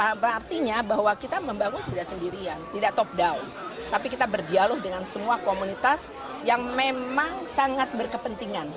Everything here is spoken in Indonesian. nah artinya bahwa kita membangun tidak sendirian tidak top down tapi kita berdialog dengan semua komunitas yang memang sangat berkepentingan